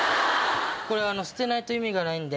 これ捨てないと意味がないんで。